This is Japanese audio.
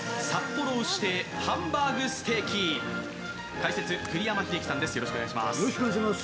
解説、栗山英樹さんです。